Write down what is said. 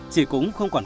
chỉ cũng không còn